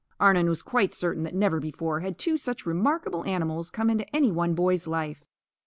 Arnon was quite certain that never before had two such remarkable animals come into any one boy's life.